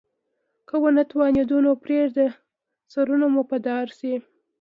که ونه توانیدو نو پریږده سرونه مو په دار شي.